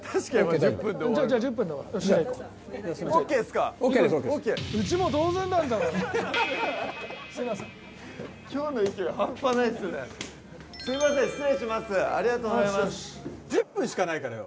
１０分しかないからよ。